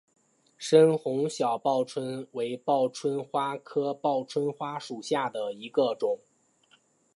深红小报春为报春花科报春花属下的一个种。